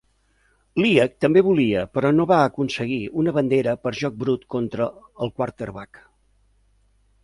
Leach també volia, però no va aconseguir, una bandera per joc brut contra el quarterback.